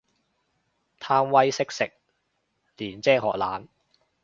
貪威識食，練精學懶